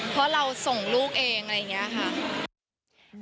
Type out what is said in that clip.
เพราะเราส่งลูกเองอะไรอย่างนี้ค่ะ